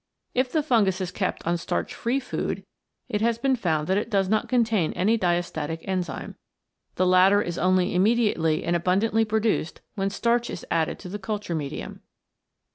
But if the fungus is kept on starch free food, it has been found that it does not contain any diastatic enzyme. The latter is only immediately and abundantly pro duced when starch is added to the culture medium.